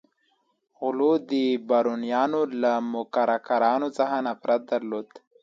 غلو بارونیانو له موکراکرانو څخه نفرت درلود.